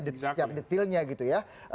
setiap detailnya gitu ya